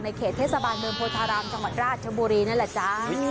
เขตเทศบาลเมืองโพธารามจังหวัดราชบุรีนั่นแหละจ้า